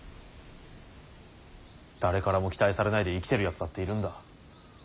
誰からも期待されないで生きてるやつだっているんだ。